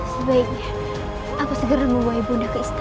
sebaiknya aku segera membawa ibu nda ke istana